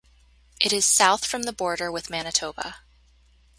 It is south from the border with Manitoba.